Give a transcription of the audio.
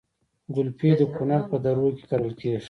ګلپي د کونړ په درو کې کرل کیږي